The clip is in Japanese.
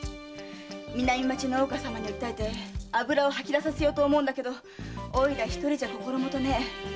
南町の大岡様に訴えて油を吐き出させようと思うんだけどおいら一人じゃ心もとない。